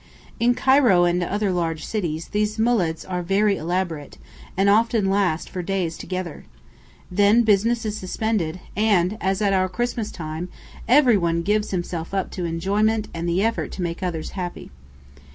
In Cairo and other large cities, these "Mūleds" are very elaborate, and often last for days together. Then business is suspended, and, as at our Christmas time, everyone gives himself up to enjoyment and the effort to make others happy.